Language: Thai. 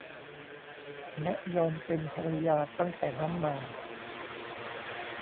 และยอมเป็นภรรยาตั้งแต่นั้นมา